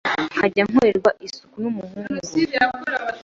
nkajya nkorerwa isuku n'umuhungu,